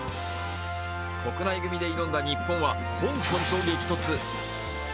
国内組で挑んだ日本は香港と激突。